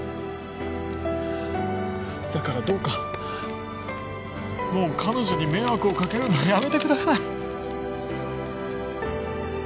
だからどうかもう彼女に迷惑を掛けるのはやめてください。